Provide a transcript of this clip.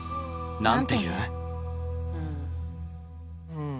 うん。